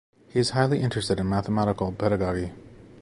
He is highly interested in mathematical pedagogy.